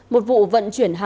một vụ vận chuyển hóa